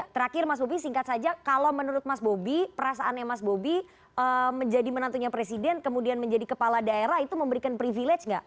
terakhir mas bobi singkat saja kalau menurut mas bobi perasaannya mas bobi menjadi menantunya presiden kemudian menjadi kepala daerah itu memberikan privilege nggak